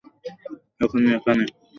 এখানে, এখানে।